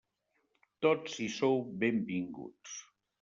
Tots hi sou benvinguts.